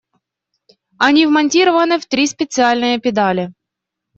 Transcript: Они вмонтированы в три специальные педали.